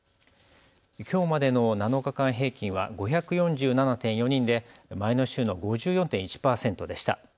きょうまでの７日間平均は５４７．４人で前の週の５４．１％でした。